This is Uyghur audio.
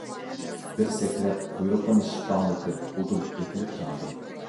بىر سەكرەپ قۇيرۇقىنى شىپپاڭلىتىپ ئۇدۇل ئېتىلىپ كەلدى.